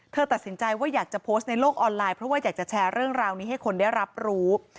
ตัดสินใจว่าอยากจะโพสต์ในโลกออนไลน์เพราะว่าอยากจะแชร์เรื่องราวนี้ให้คนได้รับรู้